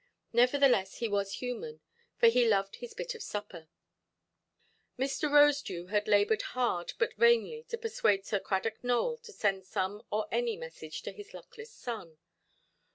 Nevertheless he was human, for he loved his bit of supper. Mr. Rosedew had laboured hard, but vainly, to persuade Sir Cradock Nowell to send some or any message to his luckless son.